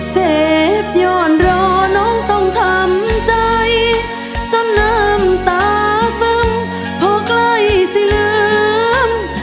เจ็บหย่อนรอน้องต้องทำใจจนน้ำตาซึ้งพอใกล้สิลืม